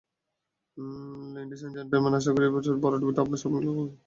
Ladies and gentleman, আশা করি এই ভরাডুবিটা আপনারা সবাই মিলে উপভোগ করছেন!